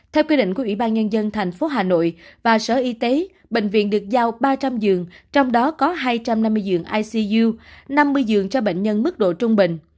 theo quy định của ủy ban nhân dân thành phố hà nội và sở y tế bệnh viện được giao ba trăm linh giường trong đó có hai trăm năm mươi giường icu năm mươi giường cho bệnh nhân mức độ trung bình